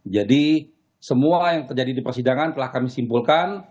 jadi semua yang terjadi di persidangan telah kami simpulkan